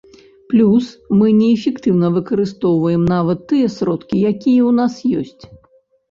Плюс мы неэфектыўна выкарыстоўваем нават тыя сродкі, якія ў нас ёсць.